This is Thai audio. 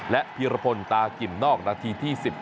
และพีรพลตากิ่มนอกนาทีที่๑๗